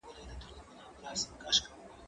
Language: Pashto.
زه اوبه ورکړي دي؟